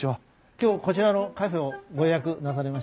今日こちらのカフェをご予約なされました？